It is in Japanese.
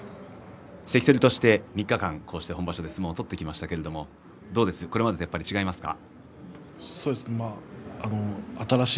関取として３日間本場所で相撲を取りましたがこれまでとは違いますか？